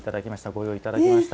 ご用意いただきました。